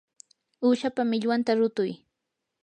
uushapa millwanta rutuy.